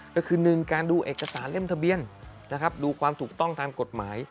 ก็คือ๑การดูเอกสารเล่มทะเบียนนะครับดูความถูกต้องทางกฎหมาย